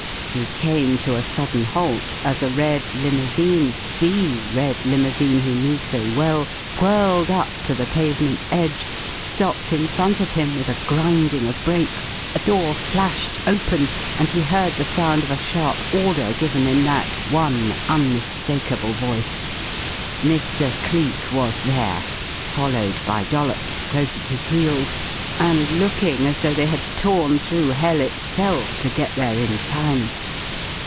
He came to a sudden halt, as a red limousine the red limousine he knew so well whirled up to the pavement's edge, stopped in front of him with a grinding of brakes, a door flashed open, and he heard the sound of a sharp order given in that one unmistakable voice. Mr. Cleek was there, followed by Dollops, close at his heels, and looking as though they had torn through hell itself to get there in time.